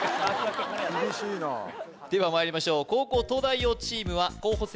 ・厳しいなではまいりましょう後攻東大王チームは候補生